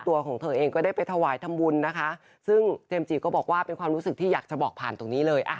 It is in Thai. แต่ยังไม่เคยมีโอกาสโอยพรวันเกิดผ่านสื่อเลย